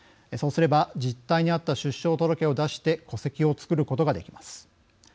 そうすれば実態に合った出生届を出して戸籍を作ることができます。